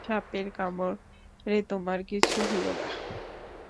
সাপের কামড়ে তোমার কিছু হল না।